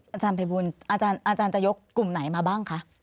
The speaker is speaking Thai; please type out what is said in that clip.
อาจารย์ภัยบูลอาจารย์จะยกกลุ่มไหนมาบ้างคะ